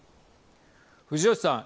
藤吉さん。